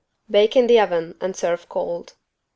Bake in the oven and serve cold.